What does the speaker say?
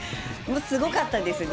すごかったですね。